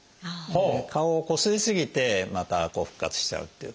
顔をこすり過ぎてまた復活しちゃうっていうか。